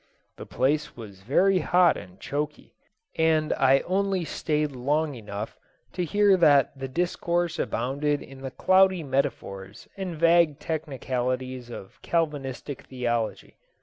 The place was very hot and chokey, and I only stayed long enough to hear that the discourse abounded in the cloudy metaphors and vague technicalities of Calvinistic theology.